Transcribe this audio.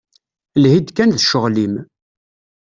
Lhi-d kan d ccɣel-im.